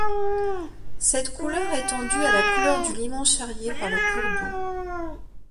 Cette couleur étant due à la couleur du limon charrié par le cours d'eau.